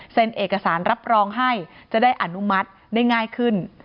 เอกสารรับรองให้จะได้อนุมัติได้ง่ายขึ้น